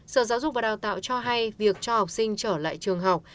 sở giáo dục và đào tạo cho hay việc cho học sinh trở lại trường học